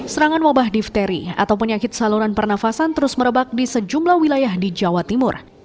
serangan wabah difteri atau penyakit saluran pernafasan terus merebak di sejumlah wilayah di jawa timur